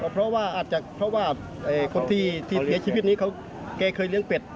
เพราะว่าคนที่เห็นชีวิตนี้เขาเคยเลี้ยงเป็ด